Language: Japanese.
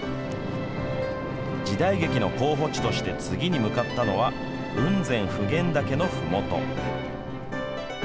時代劇の候補地として次に向かったのは雲仙・普賢岳のふもと。